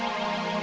mereka sih webnya